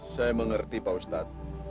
saya mengerti pak ustadz